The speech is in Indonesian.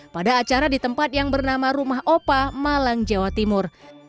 pada acara di tempat yang bernama rumah opa malang jawa timur